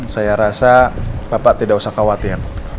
saya rasa bapak tidak usah khawatir